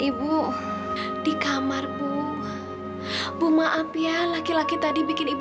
ibu janganlah nangis kayak gini